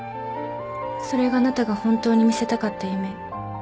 それがあなたが本当に見せたかった夢。